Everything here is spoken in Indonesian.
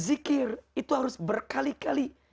zikir itu harus berkali kali